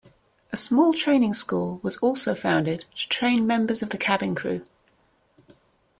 A small training school was also founded to train members of the cabin crew.